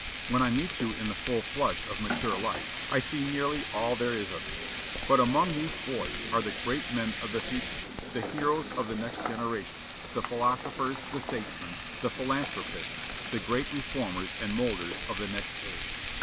When I meet you in the full flush of mature life, I see nearly all there is of you; but among these boys are the great men of the future, the heroes of the next generation, the philosophers, the statesmen, the philanthropists, the great reformers and moulders of the next age.